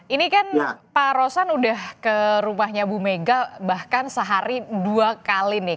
ini kan pak rosan udah ke rumahnya bu mega bahkan sehari dua kali nih